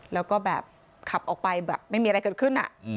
แล้วก็แบบขับออกไปแบบไม่มีอะไรเกิดขึ้น